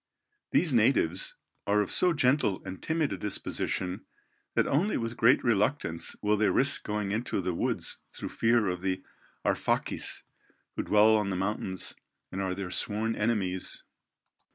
These natives, are of so gentle and timid a disposition, that only with great reluctance will they risk going into the woods through fear of the Arfakis, who dwell on the mountains, and are their sworn enemies.